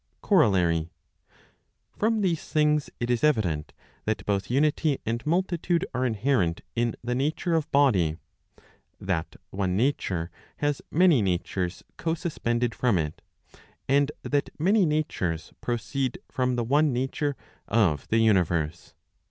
COROLLARY. From these things it is evident that both unity and multitude are inherent in the nature of body; that one nature has many natures co suspended from it; and that many natures proceed from the one nature of the universe.